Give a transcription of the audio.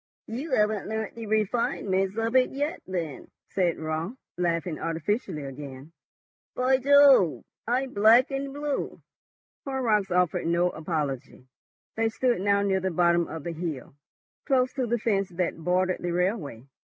"You haven't learnt the refinements of it yet then," said Raut, laughing artificially again. "By Jove! I'm black and blue." Horrocks offered no apology. They stood now near the bottom of the hill, close to the fence that bordered the railway.